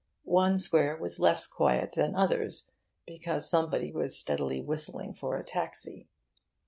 One square was less quiet than others, because somebody was steadily whistling for a taxi.